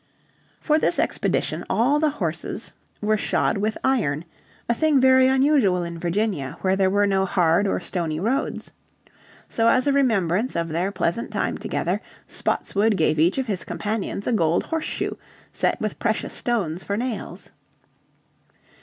For this expedition all the horses were shod with iron, a thing very unusual in Virginia where there were no hard or stony roads. So as a remembrance of their pleasant time together Spotswood gave each of his companions a gold horseshoe set with precious stones for nails.